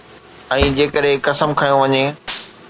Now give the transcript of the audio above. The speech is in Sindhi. ۽ جيڪڏھن قسم کنيو وڃي